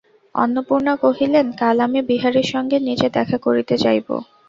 অন্নপূর্ণা কহিলেন, কাল আমি বিহারীর সঙ্গে নিজে দেখা করিতে যাইব।